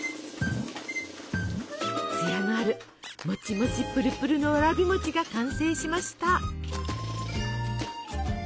つやのあるもちもちプルプルのわらび餅が完成しました。